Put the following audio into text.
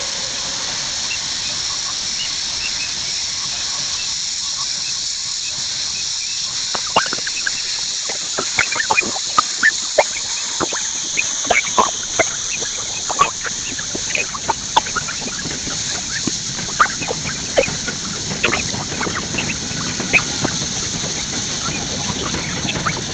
Mkoa wa Dodoma upande wa kusini